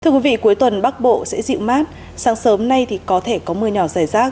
thưa quý vị cuối tuần bắc bộ sẽ dịu mát sáng sớm nay thì có thể có mưa nhỏ dài rác